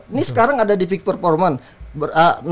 ini sekarang ada di vick performance